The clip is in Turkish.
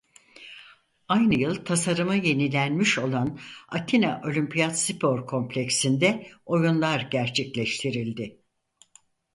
Aynı yıl tasarımı yenilenmiş olan Atina Olimpiyat Spor Kompleksi'nde oyunlar gerçekleştirildi.